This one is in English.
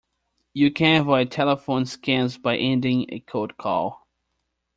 You can avoid telephone scams by ending a cold call.